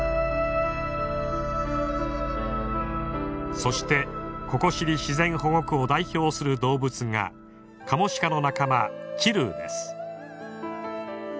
そしてココシリ自然保護区を代表する動物がカモシカの仲間チルーです。